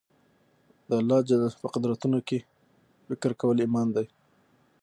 د الله جل جلاله په قدرتونو کښي فکر کول ایمان دئ.